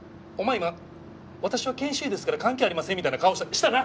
今「私は研修医ですから関係ありません」みたいな顔したな？